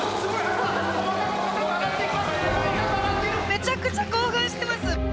めちゃくちゃ興奮してます！